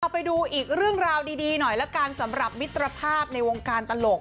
ไปดูอีกเรื่องราวดีหน่อยละกันสำหรับมิตรภาพในวงการตลก